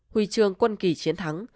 huy chương quân kỳ chiến thắng